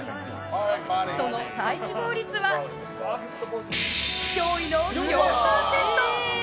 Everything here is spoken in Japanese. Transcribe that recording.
その体脂肪率は驚異の４％！